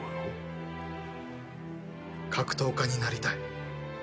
格闘家になりたい。